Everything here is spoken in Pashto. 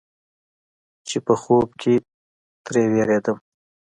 چې په خوب کې تې وېرېږم.